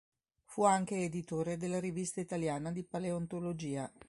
Fu anche editore della "Rivista italiana di paleontologia".